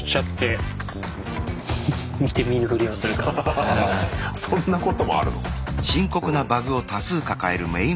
ハハハハハッそんなこともあるの？